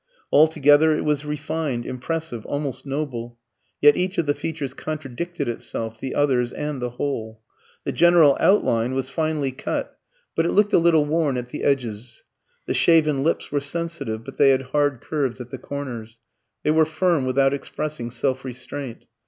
Altogether it was refined, impressive, almost noble; yet each of the features contradicted itself, the others, and the whole. The general outline was finely cut, but it looked a little worn at the edges. The shaven lips were sensitive, but they had hard curves at the corners; they were firm, without expressing self restraint.